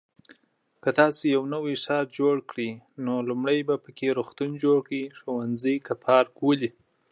که تاسو يو نوی ښار جوړ کړی نو لومړی به پکې روغتون جوړ کړی، ښونځی که پارک ولې؟